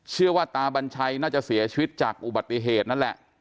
เชื่อว่าตาบัญชัยน่าจะเสียชีวิตจากอุบัติเหตุนั่นแหละ